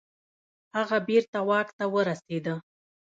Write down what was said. هغه بیرته واک ته ورسیده.